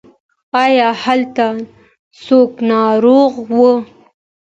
ایا هلته څوک ناروغ و؟